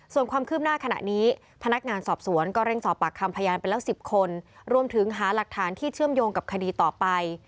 ส่วนความคืบหน้าขณะนี้พนักงานสอบสวนก็เร่งสอบปากคำพยานไปแล้ว๑๐คนรวมถึงหาหลักฐานที่เชื่อมโยงกับคดีต่อไป